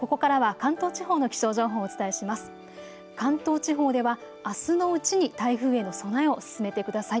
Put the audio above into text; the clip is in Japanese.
関東地方ではあすのうちに台風への備えを進めてください。